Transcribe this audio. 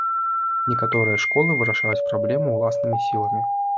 Некаторыя школы вырашаюць праблему ўласнымі сіламі.